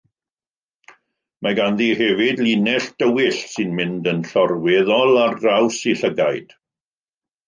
Mae ganddi hefyd linell dywyll sy'n mynd yn llorweddol ar draws ei llygaid.